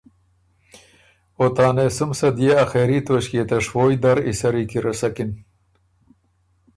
او ته انېسُم صدئے آخېري توݭکيې ته شوویٛ در ای سری کی رسکِن۔